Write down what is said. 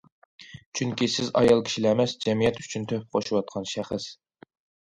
چۈنكى، سىز ئايال كىشىلا ئەمەس، جەمئىيەت ئۈچۈن تۆھپە قوشۇۋاتقان شەخس.